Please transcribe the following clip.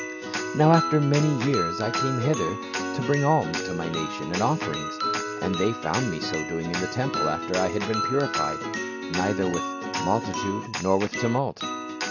" Now after many years I came hither to bring alms to my nation and offerings ; and they found me so doing in the temple after I had been purified, neither with multitude nor with tumult.